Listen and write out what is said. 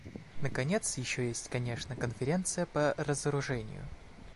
Наконец, еще есть, конечно, Конференция по разоружению.